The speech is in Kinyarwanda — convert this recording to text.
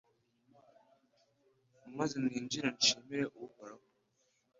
maze ninjire nshimire Uhoraho